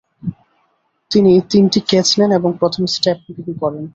তিনি তিনটি ক্যাচ নেন ও প্রথম স্ট্যাম্পিং করেন।